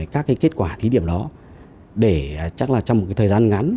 các kết quả thí điểm đó để chắc là trong một thời gian ngắn